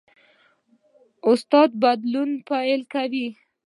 استاد د بدلون پیل کوي.